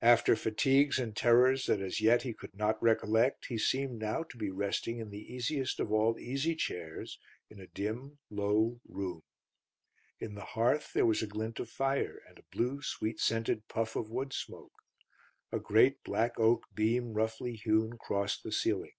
After fatigues and terrors that as yet he could not recollect he seemed now to be resting in the easiest of all easy chairs in a dim, low room. In the hearth there was a glint of fire and a blue, sweet scented puff of wood smoke; a great black oak beam roughly hewn crossed the ceiling.